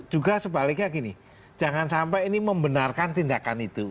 juga sebaliknya gini jangan sampai ini membenarkan tindakan itu